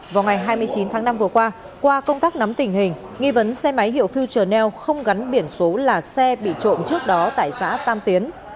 vào ngày hai mươi chín tháng năm vừa qua qua công tác nắm tình hình nghi vấn xe máy hiệu filel không gắn biển số là xe bị trộm trước đó tại xã tam tiến